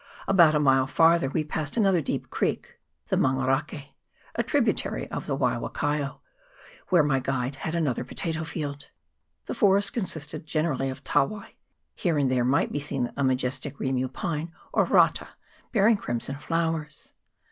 About a mile farther we passed another deep creek the Mangorake, a tributary of the Waiwakaio, where my guide had another potato field. The forest consisted generally of tawai ; here and there might be seen a majestic Rimu pine, or rata, bearing crimson flowers.